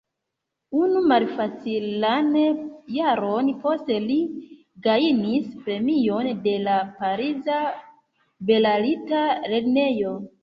Unu malfacilan jaron poste, li gajnis premion de la pariza belarta lernejo.